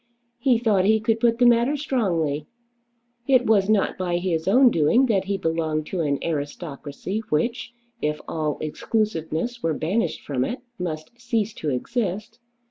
He thought he could put the matter strongly. It was not by his own doing that he belonged to an aristocracy which, if all exclusiveness were banished from it, must cease to exist.